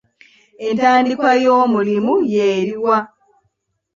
Entandikwa y'omulimu y'eri wa?